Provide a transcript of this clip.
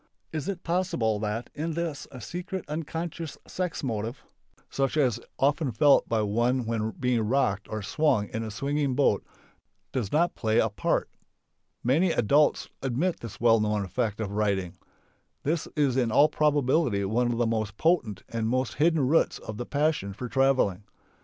Is it possible that in this a secret (unconscious) sex motive, such as is often felt by one when being rocked or swung in a swinging boat, does not play a part? Many adults admit this well known effect of riding. This is in all probability one of the most potent and most hidden roots of the passion for travelling.